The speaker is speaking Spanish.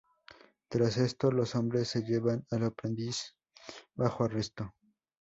Tras esto, los hombres se llevan al aprendiz bajo arresto.